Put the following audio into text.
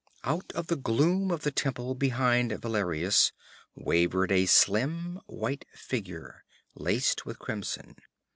Out of the gloom of the temple behind Valerius wavered a slim white figure, laced with crimson.